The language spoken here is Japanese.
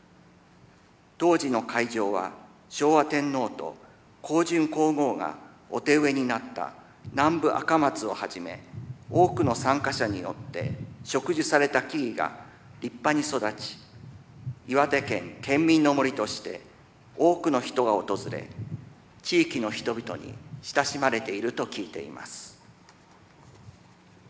当時の会場は昭和天皇と香淳皇后がお手植えになった南部アカマツをはじめ多くの参加者によって植樹された木々が立派に育ち「岩手県県民の森」として多くの人が訪れ地域の人々に親しまれていると聞いています。